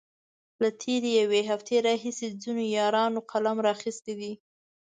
له تېرې يوې هفتې راهيسې ځينو يارانو قلم را اخستی دی.